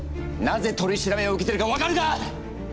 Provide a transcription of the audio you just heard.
なぜ取り調べを受けているか分かるか？